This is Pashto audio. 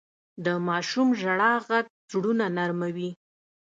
د ماشوم ژړا ږغ زړونه نرموي.